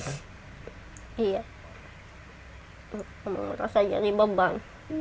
omang merasa jadi beban